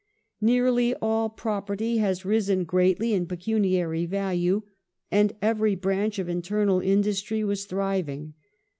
" Nearly all property had risen greatly in pecuniary value, and every branch of internal industry was thriving.